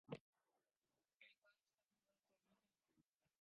El cuadro está situado actualmente en el coro.